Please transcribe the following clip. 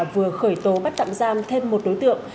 vừa khởi tố bắt tạm giam thêm một đối tượng